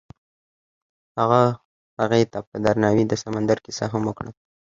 هغه هغې ته په درناوي د سمندر کیسه هم وکړه.